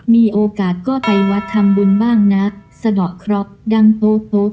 มีโอกาสก็ไปวัดทำบุญบ้างนะสะดอกเคราะห์ดังโป๊โป๊